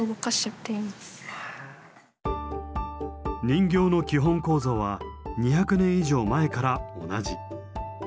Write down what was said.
人形の基本構造は２００年以上前から同じ。